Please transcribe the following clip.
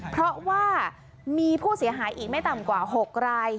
เพราะว่ามีผู้เสียหายอีกไม่ต่ำกว่า๖ราย